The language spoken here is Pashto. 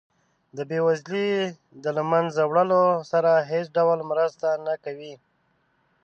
د بیوزلۍ د له مینځه وړلو سره هیڅ ډول مرسته نه کوي.